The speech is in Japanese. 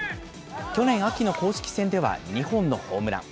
去年秋の公式戦では２本のホームラン。